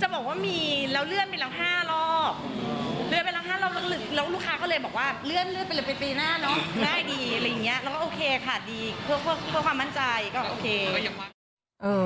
จะบอกว่ามีแล้วเลื่อนไปหลัง๕รอบแล้วลูกค้าก็เลยบอกว่าเลื่อนไปหลังปีหน้าเนอะได้ดีอะไรอย่างเงี้ยแล้วก็โอเคค่ะดีเพื่อความมั่นใจก็โอเค